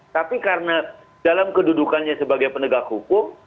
tapi karena dalam kedudukannya sebagai penegak hukum